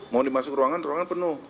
mau dimasuk ruangan ruangan penuh